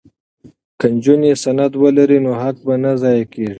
که نجونې سند ولري نو حق به نه ضایع کیږي.